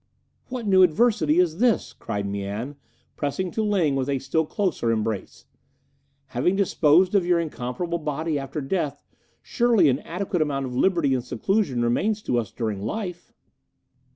"What new adversity is this?" cried Mian, pressing to Ling with a still closer embrace. "Having disposed of your incomparable body after death, surely an adequate amount of liberty and seclusion remains to us during life."